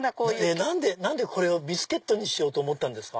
何でこれをビスケットにしようと思ったんですか？